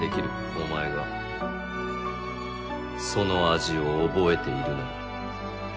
お前がその味を覚えているなら。